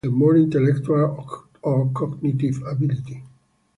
It implies a more intellectual or cognitive ability.